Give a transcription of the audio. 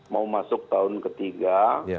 mau masuk tahun ketiga